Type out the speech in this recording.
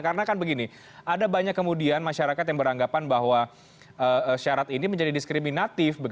karena kan begini ada banyak kemudian masyarakat yang beranggapan bahwa syarat ini menjadi diskriminatif